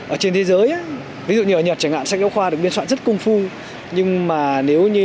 ở trên thế giới ví dụ như ở nhật chẳng hạn sách giáo khoa được biên soạn rất công phu nhưng mà nếu như